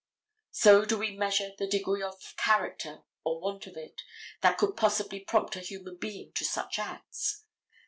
So do we measure the degree of character or want of it, that could possibly prompt a human being to such acts.